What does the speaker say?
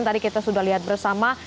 tadi kita sudah lihat bersama